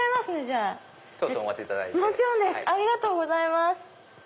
ありがとうございます！